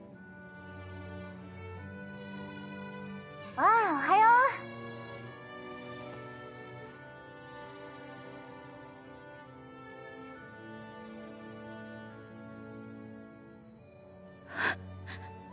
ああおはよう。はっ。